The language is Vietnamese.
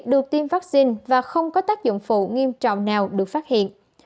được tiêm vaccine và không có tác dụng phụ nghiêm trọng nào được phát hiện